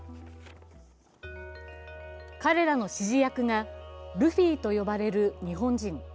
彼らの指示役がルフィと呼ばれる日本人。